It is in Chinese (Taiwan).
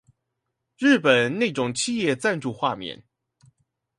日本那種企業贊助畫面